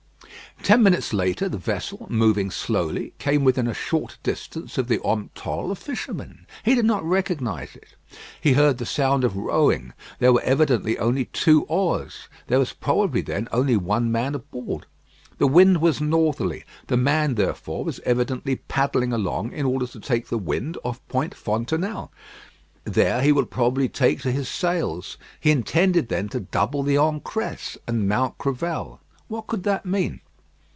Ten minutes later the vessel, moving slowly, came within a short distance of the Omptolle fisherman. He did not recognise it. He heard the sound of rowing: there were evidently only two oars. There was probably, then, only one man aboard. The wind was northerly. The man, therefore, was evidently paddling along in order to take the wind off Point Fontenelle. There he would probably take to his sails. He intended then to double the Ancresse and Mount Crevel. What could that mean?